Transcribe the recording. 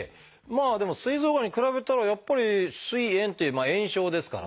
まあでもすい臓がんに比べたらやっぱり「すい炎」っていう炎症ですからね。